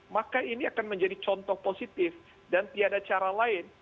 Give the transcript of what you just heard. maka ini akan menjadi contoh positif dan tiada cara lain